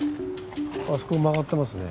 あそこ曲がってますね。